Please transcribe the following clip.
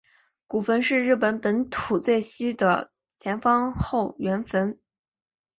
古坟是日本本土最西的前方后圆坟。